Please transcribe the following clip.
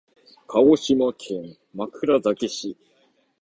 鹿児島県枕崎市